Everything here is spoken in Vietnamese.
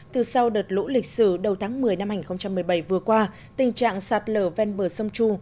từ sau đợt lũ lịch sử đầu tháng một mươi năm hai nghìn một mươi bảy vừa qua tình trạng sạt lở ven bờ sông tru